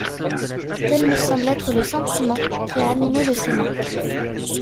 Tel me semble être le sentiment qui a animé le Sénat.